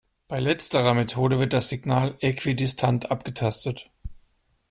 Bei letzterer Methode wird das Signal äquidistant abgetastet.